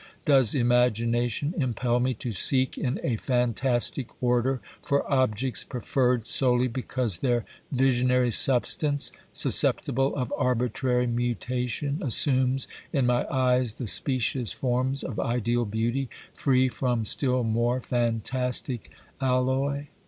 Does imagination impel me to seek in a fantastic order for objects preferred solely because their visionary substance, susceptible of arbitrary mutation, assumes in my eyes the specious forms of ideal beauty, free from still more fantastic alloy